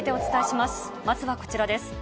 まずはこちらです。